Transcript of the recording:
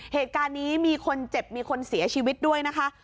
เหตุการณ์นี้มีคนเจ็บมีคนเสียชีวิตด้วยนะคะ